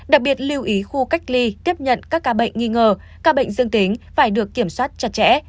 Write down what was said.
đặc biệt lưu ý khu cách ly tiếp nhận các ca bệnh nghi ngờ các bệnh dương tính phải được kiểm soát chặt chẽ